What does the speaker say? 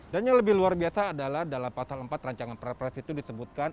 dan yang lebih luar biasa adalah dalam pasal empat rancangan perpres itu disebutkan